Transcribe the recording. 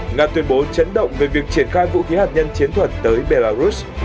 nga tuyên bố chấn động về việc triển khai vũ khí hạt nhân chiến thuật tới belarus